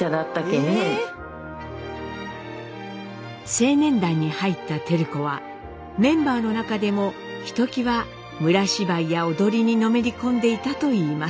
青年団に入った照子はメンバーの中でもひときわ村芝居や踊りにのめり込んでいたといいます。